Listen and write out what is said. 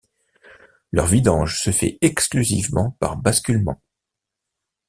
Leur vidange se fait exclusivement par basculement.